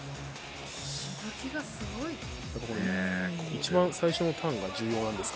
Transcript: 一番最初のターンが重要なんですか？